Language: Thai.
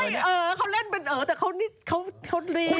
ไม่เออเขาเล่นเป็นเออแต่เขานี่เขาลี